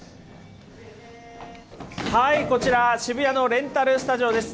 こちら、渋谷のレンタルスタジオです。